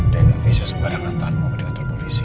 dan bisa sembarangan tamu medikator polisi